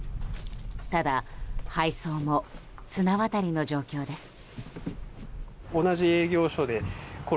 ただ、配送も綱渡りの状況です。